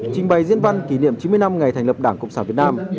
trình bày diễn văn kỷ niệm chín mươi năm ngày thành lập đảng cộng sản việt nam